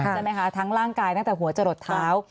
ใช่ไหมคะทั้งร่างกายตั้งแต่หัวจะหลดเท้า